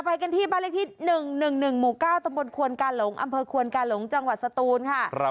ไปกันที่บ้านเลขที่๑๑๑หมู่๙ตำบลควนกาหลงอำเภอควนกาหลงจังหวัดสตูนค่ะ